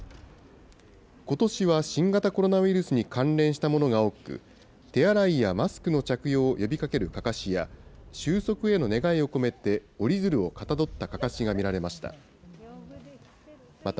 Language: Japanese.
ことしは新型コロナウイルスに関連したものが多く、手洗いやマスクの着用を呼びかけるかかしや、終息への願いを込めて折り鶴をかたどったかかしが見られました。